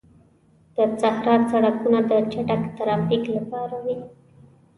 د صحرا سړکونه د چټک ترافیک لپاره وي.